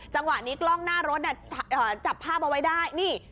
จังหวะนี้กล้องหน้ารถจับภาพเอาไว้ได้นี่